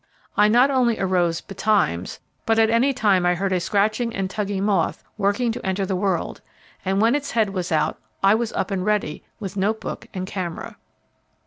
I not only arose 'betimes,' but at any time I heard a scratching and tugging moth working to enter the world, and when its head was out, I was up and ready with note book and camera.